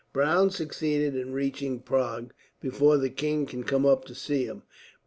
Browne succeeded in reaching Prague before the king could come up to him.